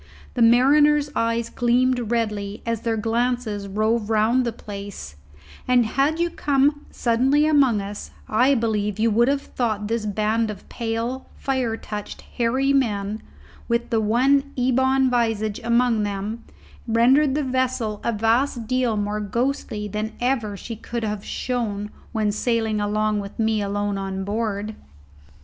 The mariners' eyes gleamed redly as their glances rove round the place, and, had you come suddenly among us, I believe you would have thought this band of pale, fire touched, hairy men, with the one ebon visage among them, rendered the vessel a vast deal more ghostly than ever she could have shown when sailing along with me alone on board.